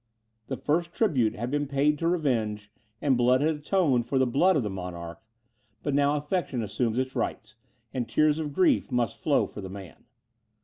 The first tribute had been paid to revenge, and blood had atoned for the blood of the monarch; but now affection assumes its rights, and tears of grief must flow for the man.